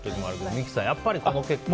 三木さん、やっぱりこの結果は。